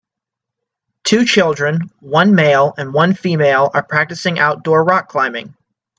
Two children, one male and one female are practicing outdoor rock climbing.